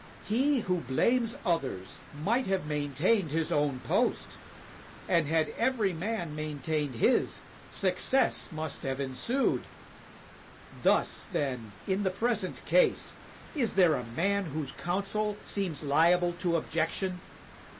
He who blames others might have maintained his own post; and had every man maintained his, success must have ensued. Thus, then, in the present case, is there a man whose counsel seems liable to objection?